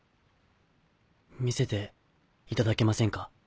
見せていただけませんか？